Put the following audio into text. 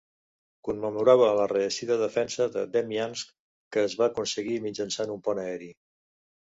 Commemorava la reeixida defensa de Demyansk, que es va aconseguir mitjançant un pont aeri.